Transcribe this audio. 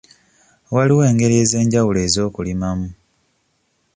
Waliwo engeri ez'enjawulo ez'okulimamu.